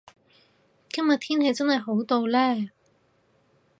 今日天氣真係好到呢